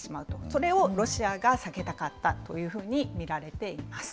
それをロシアが避けたかったというふうに見られています。